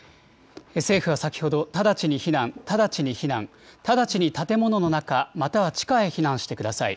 政府は先ほど、直ちに避難、直ちに避難、直ちに建物の中、または地下へ避難してください。